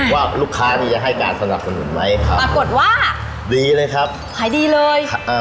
ว่าลูกค้านี่จะให้การสนับสนุนไหมครับปรากฏว่าดีเลยครับขายดีเลยอ่า